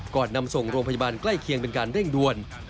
ก่อนนำส่งโรงพยาบาลใกล้เคียงเป็นการเร่งด่วน